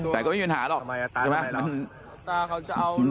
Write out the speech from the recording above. แต่ก็ไม่มีปัญหาหรอกใช่ไหม